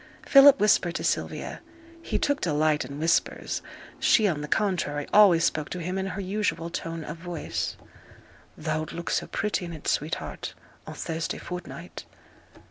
Philip whispered to Sylvia (he took delight in whispers, she, on the contrary, always spoke to him in her usual tone of voice) 'Thou'lt look so pretty in it, sweetheart, o' Thursday fortnight!'